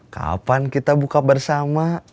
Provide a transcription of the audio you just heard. kapan kita buka bersama